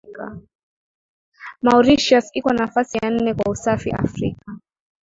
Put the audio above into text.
Mauritius iko nafasi ya nne kwa usafi Afrika